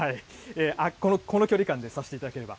この距離感でさせていただければ。